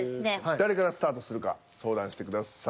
誰からスタートするか相談してください。